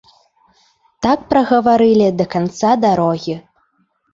Так прагаварылі да канца дарогі.